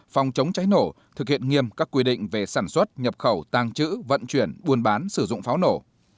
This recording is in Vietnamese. phòng chống cháy nổ thực hiện nghiêm các quy định về sản xuất nhập khẩu tàng trữ vận chuyển buôn bán sử dụng pháo nổ